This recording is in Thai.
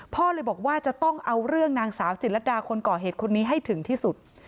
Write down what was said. พ่อเลยบอกว่าจะต้องเอาเรื่องนางสาวจิตรดาคนก่อเหตุคนนี้ให้ถึงที่สุด